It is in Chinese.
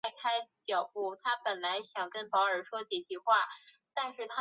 对于晚清的知识分子吸收西方知识产生很大的影响。